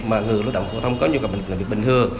mà người lao động công thông có nhu cầu việc bình thường